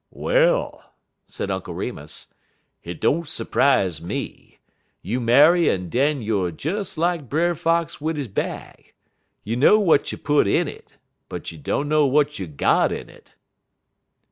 "Well," said Uncle Remus, "hit don't s'prize me. You marry en den youer des lak Brer Fox wid he bag. You know w'at you put in it, but you dunner w'at you got in it."